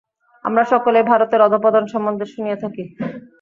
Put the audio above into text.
আমরা সকলেই ভারতের অধঃপতন সম্বন্ধে শুনিয়া থাকি।